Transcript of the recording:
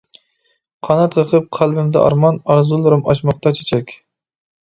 قانات قېقىپ قەلبىمدە ئارمان، ئارزۇلىرىم ئاچماقتا چېچەك.